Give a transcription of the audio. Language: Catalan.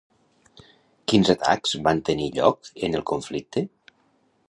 Quins atacs van tenir lloc en el conflicte?